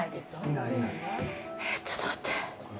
ちょっと待って。